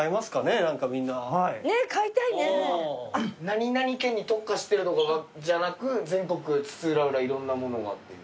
何々県に特化してるとかじゃなく全国津々浦々いろんなものがっていう。